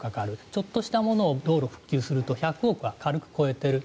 ちょっとしたものを道路復旧すると１００億円は軽く超えている。